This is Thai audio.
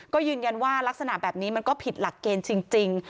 ก็ยืนยันว่ารักษณะแบบนี้มันก็ผิดหลักเกณฑ์จริง